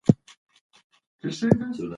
په کور کې د پښتو ویل ډېر اړین دي.